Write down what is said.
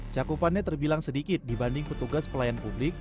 cakupannya terbilang sedikit dibanding petugas pelayan publik